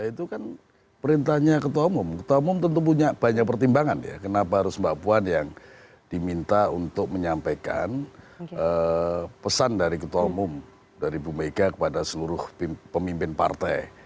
itu kan perintahnya ketua umum ketua umum tentu punya banyak pertimbangan ya kenapa harus mbak puan yang diminta untuk menyampaikan pesan dari ketua umum dari ibu mega kepada seluruh pemimpin partai